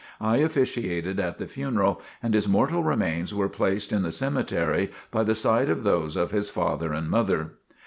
I officiated at the funeral and his mortal remains were placed in the cemetery by the side of those of his father and mother.